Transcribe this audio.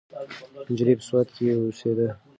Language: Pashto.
نجلۍ په سوات کې اوسیده.